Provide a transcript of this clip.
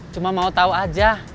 cuma mau tau aja